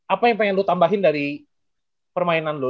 apa yang pengen lu tambahin dari permainan lo